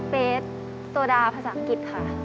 เฟสโซดาภาษาอังกฤษค่ะ